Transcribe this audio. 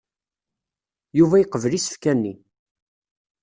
Yuba yeqbel isefka-nni.